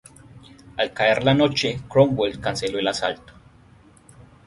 Al caer la noche, Cromwell canceló el asalto.